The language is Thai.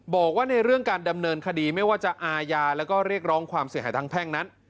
บอกว่าในเรื่องการดำเนินคดีไม่ว่าจะอาญาแล้วก็เรียกร้องความเสียหายทางแพ่งนั้น